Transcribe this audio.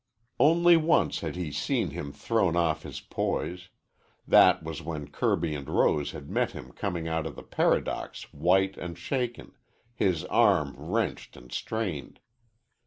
Only once had he seen him thrown off his poise. That was when Kirby and Rose had met him coming out of the Paradox white and shaken, his arm wrenched and strained.